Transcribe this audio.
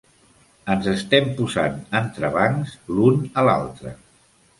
Ens estem posant entrebancs l'un a l'altre!